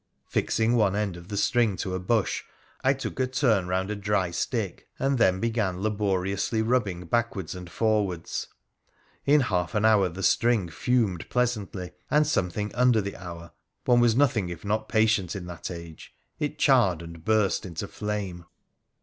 Fixing one end of the string to a bush, I took a turn round a dry stick, and then began laboriously rubbing backwards and forwards. In half an hour the string fumed pleasantly, and, something under the hour— one was nothing if not patient in that age — it charred and burst into flame.